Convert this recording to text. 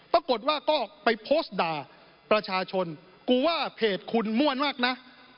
ปรากฏว่าก็ไปโพสต์ด่าประชาชนกูว่าเพจคุณม่วนมากนะ